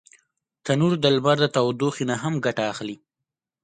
تنور د لمر د تودوخي نه هم ګټه اخلي